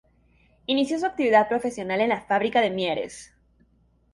Inició su actividad profesional en la Fábrica de Mieres.